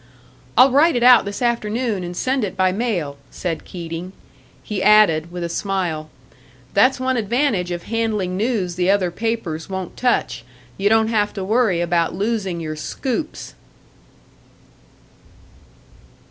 "I'll write it out this afternoon and send it by mail," said Keating; he added, with a smile, "That's one advantage of handling news the other papers won't touch you don't have to worry about losing your 'scoops'!"